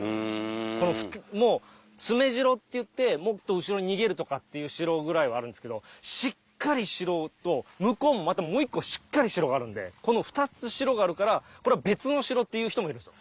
この詰城っていってもっと後ろに逃げるとかっていう城ぐらいはあるんですけどしっかり城と向こうもまたもう１個しっかり城があるんでこの２つ城があるからこれは別の城っていう人もいるんですよ。